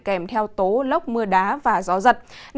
kèm theo tố lốc mưa đá và gió giật